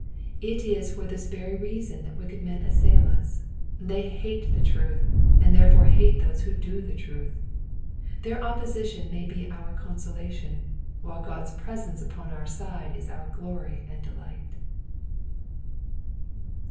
It is for this very reason that wicked men assail us : they hate the truth, and therefore hate those who do the truth. Their opposition may be our consolation ; while God^s presence upon our side is our glory and delight.